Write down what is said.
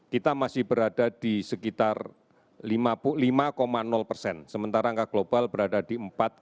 kita masih berada di sekitar lima persen sementara angka global berada di empat tiga